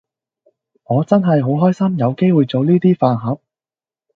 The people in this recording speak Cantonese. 我真係好開心有機會做呢 d 飯盒